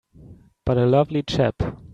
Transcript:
But a lovely chap!